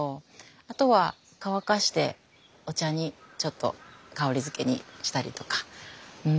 あとは乾かしてお茶にちょっと香りづけにしたりとか。